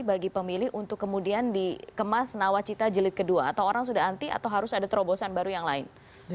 bagi pemilih untuk kemudian dikemas nawacita jelit kedua atau orang sudah anti atau harus ada terobosan baru yang lain